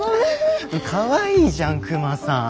かわいいじゃんクマさん。